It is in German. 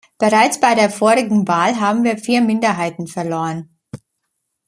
Bereits bei der vorigen Wahl, haben wir vier Minderheiten verloren.